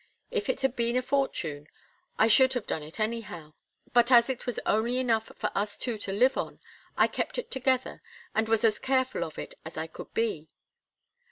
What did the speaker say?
If it had been a fortune, I should have done it anyhow, but as it was only enough for us two to live on, I kept it together and was as careful of it as I could be."